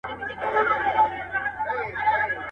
لېوني به څوک پر لار کړي له دانا څخه لار ورکه.